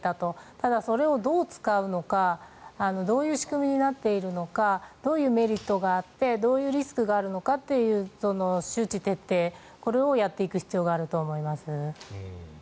ただそれをどう使うのかどういう仕組みになっているのかどういうメリットがあってどういうリスクがあるのかという周知徹底をやっていく必要があると思います。